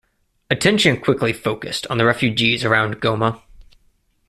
Attention quickly focused on the refugees around Goma.